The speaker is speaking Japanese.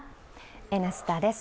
「Ｎスタ」です。